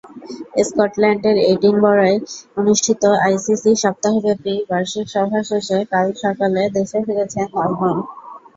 স্কটল্যান্ডের এডিনবরায় অনুষ্ঠিত আইসিসির সপ্তাহব্যাপী বার্ষিক সভা শেষে কাল সকালে দেশে ফিরেছেন নাজমুল।